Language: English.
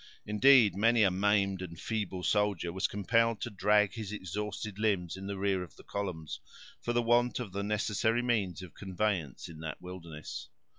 Indeed, many a maimed and feeble soldier was compelled to drag his exhausted limbs in the rear of the columns, for the want of the necessary means of conveyance in that wilderness.